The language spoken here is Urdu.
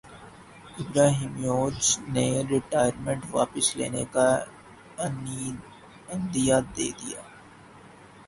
ابراہیمووچ نے ریٹائرمنٹ واپس لینے کا عندیہ دیدیا